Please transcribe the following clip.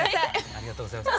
ありがとうございます。